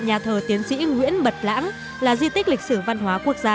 nhà thờ tiến sĩ nguyễn bật lãng là di tích lịch sử văn hóa quốc gia